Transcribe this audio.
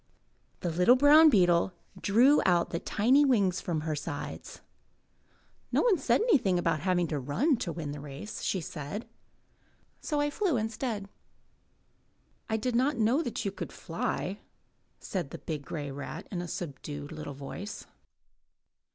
The little brown beetle drew out the tiny wings from her sides. "Nobody said anything about having to run to win the race," she replied, "so I flew instead." "I did not know that you could fly," said the big grey rat in a subdued little voice.